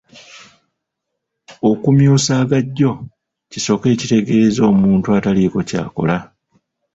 Okumyusa agajjo kisoko ekitegeeza omuntu ataliiko ky'akola.